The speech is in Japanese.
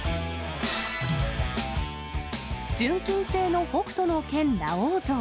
純金製の北斗の拳ラオウ像。